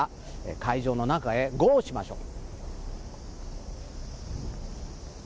会場の中へゴーしましょう。